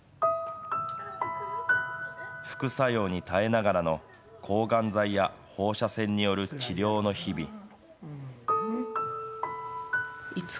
副作用に耐えながらの抗がん剤や放射線による治療の日々。